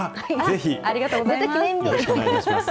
ありがとうございます。